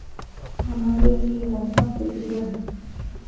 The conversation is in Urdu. تو ہمارے لئے یہ لمحہ فکریہ ہے۔